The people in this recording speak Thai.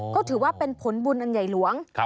ก็ถือว่าเป็นผลบุญอันใหญ่หลวง